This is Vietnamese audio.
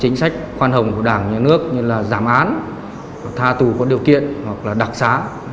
chính sách khoan hồng của đảng nhà nước như là giảm án tha tù có điều kiện hoặc là đặc xá